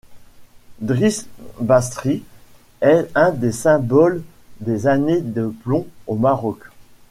Driss Basri est un des symboles des années de plomb au Maroc.